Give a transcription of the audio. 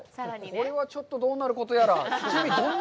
これはちょっとどうなることやら。